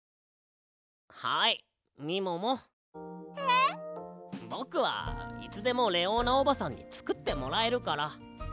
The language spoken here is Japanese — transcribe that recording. えっ？ぼくはいつでもレオーナおばさんにつくってもらえるから。